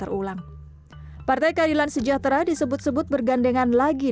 fantauan ke obrigasi sejak ini mem villan sejahtera di disahkan dan sudah kena turun polisi dari pks